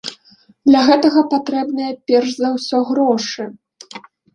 Для гэтага патрэбныя, перш за ўсё, грошы.